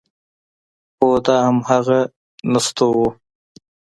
هو دا همغه نستوه و…